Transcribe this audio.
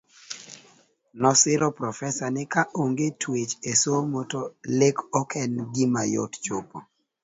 Nosiro Profesa ni ka onge tweche somo to lek ok en gima yot chopo